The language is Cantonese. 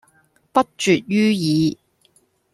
不絕於耳